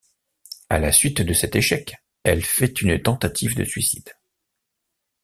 À la suite de cet échec, elle fait une tentative de suicide.